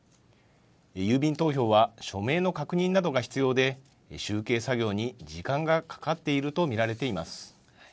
郵便投票は署名の確認などが必要で、集計作業に時間がかかっていると見られています。